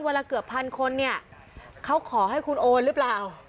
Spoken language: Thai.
ละเกือบพันคนเนี่ยเขาขอให้คุณโอนหรือเปล่า